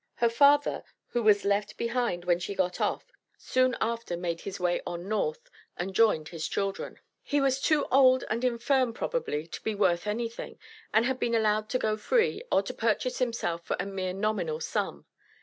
Her father, who was left behind when she got off, soon after made his way on North, and joined his children. He was too old and infirm probably to be worth anything, and had been allowed to go free, or to purchase himself for a mere nominal sum.